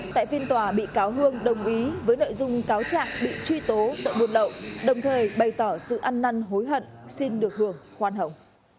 tại phiên tòa bị cáo hương đồng ý với nội dung cáo trạng bị truy tố tội buôn lậu đồng thời bày tỏ sự ăn năn hối hận xin được hưởng khoan hồng